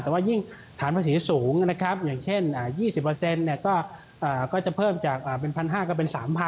แต่ว่ายิ่งฐานประสีสูงอย่างเช่น๒๐ก็จะเพิ่มจากเป็น๑๕๐๐ถ้าเป็น๓๐๐๐